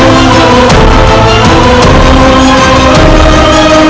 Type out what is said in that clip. untuk menyembuhkan dinda subanglarang